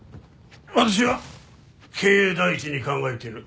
私は経営第一に考えている。